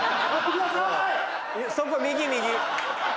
そこ右右。